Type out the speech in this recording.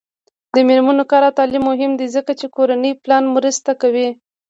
د میرمنو کار او تعلیم مهم دی ځکه چې کورنۍ پلان مرسته کوي.